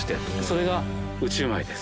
それが宇宙米です。